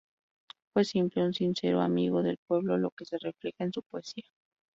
Fue siempre un sincero amigo del pueblo lo que se refleja en su poesía.